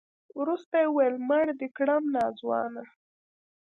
وروسته يې وويل مړ دې کړم ناځوانه.